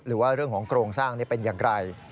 หรือว่าเรื่องของโครงสร้างนี้เป็นอย่างไร